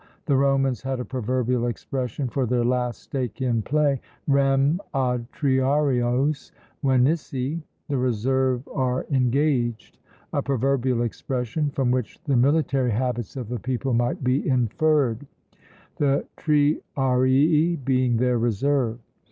The Romans had a proverbial expression for their last stake in play, Rem ad triarios venisse, "the reserve are engaged!" a proverbial expression, from which the military habits of the people might be inferred; the triarii being their reserve.